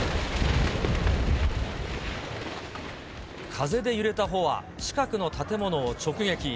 風で揺れた帆は近くの建物を直撃。